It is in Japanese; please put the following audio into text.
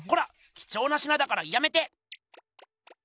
きちょうな品だからやめて！